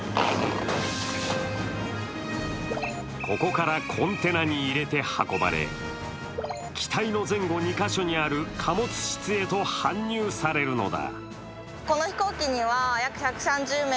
ここからコンテナに入れて運ばれ機体の前後２か所にある貨物室へと搬入されるのだ。